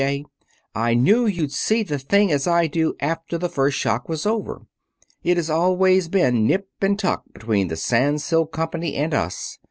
A.! I knew you'd see the thing as I do after the first shock was over. It has always been nip and tuck between the Sans Silk Company and us.